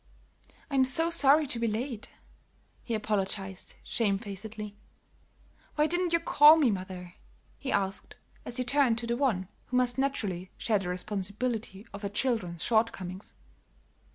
"I'm so sorry to be late," he apologized, shamefacedly. "Why didn't you call me, mother?" he asked, as he turned to the one who must naturally share the responsibility of her children's shortcomings.